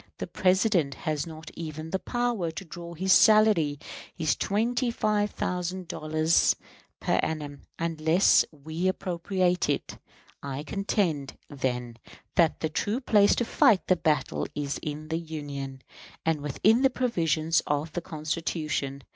The President has not even the power to draw his salary his twenty five thousand dollars per annum unless we appropriate it. I contend, then, that the true place to fight the battle is in the Union, and within the provisions of the Constitution.